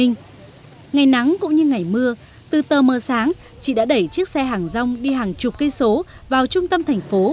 ngày nắng cũng như ngày mưa từ tờ mờ sáng chị đã đẩy chiếc xe hàng rong đi hàng chục cây số vào trung tâm thành phố